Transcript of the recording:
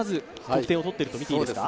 得点を取っていると見ていいですか。